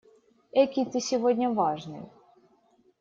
Экий ты сегодня важный!